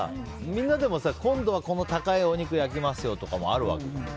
みんなでも今度はこの高いお肉焼きますよとかもあるわけじゃん。